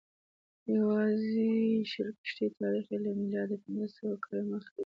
یوازې شل کښتۍ تاریخ یې له میلاده پنځه سوه کاله مخکې دی.